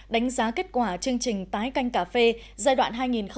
đánh giá kết quả chương trình tái canh cà phê giai đoạn hai nghìn một mươi sáu hai nghìn hai mươi